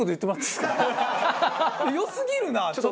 良すぎるなあちょっと。